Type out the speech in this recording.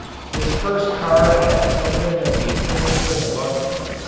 This first car had something of the appearance of a buggy.